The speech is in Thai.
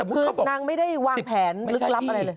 คือนางไม่ได้วางแผนลึกลับอะไรเลย